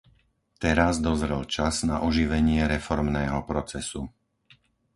Teraz dozrel čas na oživenie reformného procesu.